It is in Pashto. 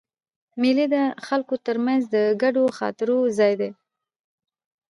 مېلې د خلکو تر منځ د ګډو خاطرو ځای دئ.